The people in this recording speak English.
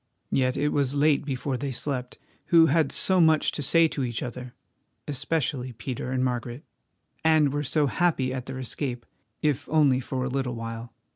Yet it was late before they slept, who had so much to say to each other—especially Peter and Margaret—and were so happy at their escape, if only for a little while.